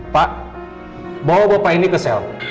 pak bawa bapak ini ke sel